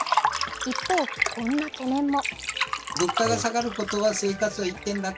一方、こんな懸念も。